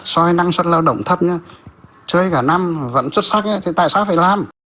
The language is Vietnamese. so với năng suất lao động thấp chơi cả năm vẫn xuất sắc thì tại sao phải làm